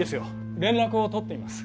連絡を取ってみます